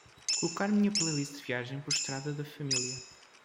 colocar minha playlist de viagem por estrada da família